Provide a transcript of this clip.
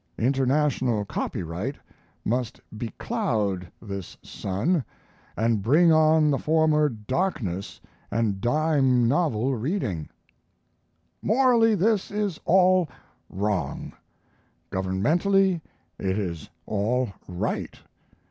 International copyright must becloud this sun and bring on the former darkness and dime novel reading. Morally this is all wrong; governmentally it is all right.